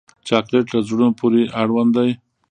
چاکلېټ له زړونو پورې اړوند دی.